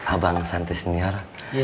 abang santai senior